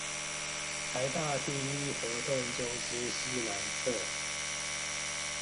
臺大第一活動中心西南側